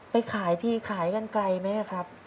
ไปขายทีขายกันไกลไหมครับ